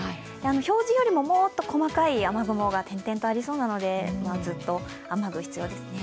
表示よりももっと細かい雨雲が点々とありそうなのでずっと雨具が必要ですね。